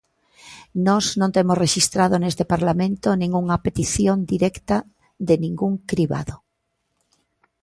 Nós non temos rexistrado neste parlamento ningunha petición directa de ningún cribado.